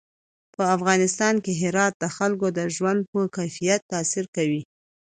په افغانستان کې هرات د خلکو د ژوند په کیفیت تاثیر کوي.